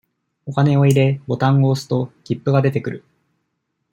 お金を入れ、ボタンを押すと、切符が出てくる。